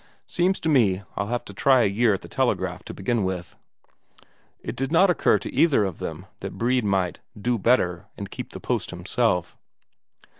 Seems to me I'll have to try a year at the telegraph to begin with...." It did not occur to either of them that Brede might "do better" and keep the post himself.